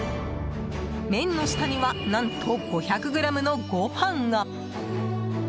麺の下には何と、５００ｇのご飯が。